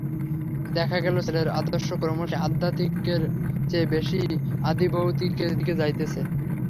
দেখা গেল ছেলের আদর্শ ক্রমশই আধ্যাত্মিকের চেয়ে বেশি আধিভৌতিকের দিকে যাইতেছে।